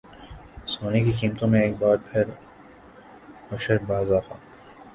سونے کی قیمتوں میں ایک بار پھر ہوشربا اضافہ